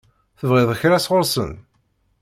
Tebɣiḍ kra sɣur-sen?